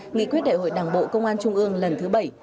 nghị quyết đại hội đảng bộ công an trung ương lần thứ bảy